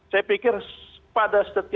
saya pikir pada setelah itu ya